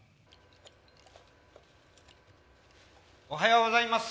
おはようございます。